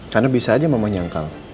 karena bisa aja mama nyangkal